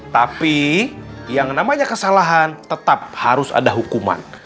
tapi yang namanya kesalahan tetap harus ada hukuman